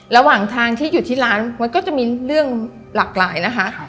ระหว่างทางที่อยู่ที่ร้านมันก็จะมีเรื่องหลากหลายนะคะ